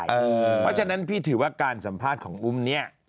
เพราะฉะนั้นพี่ถือว่าการสัมภาษณ์ของอุ้มเนี่ย